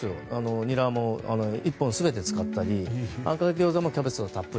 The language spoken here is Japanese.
ニラも１本全て使ったりあんかけ揚げ餃子もキャベツをたっぷり。